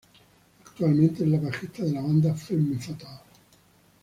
Actualmente es la bajista de la banda Femme Fatale.